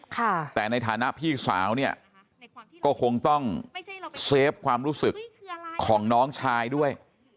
แต่ในฐานะพี่สาวเนี่ยก็คงต้องเซฟความรู้สึกของน้องชายด้วย